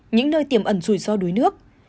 những nơi tiềm ẩn rủi ro đuối nước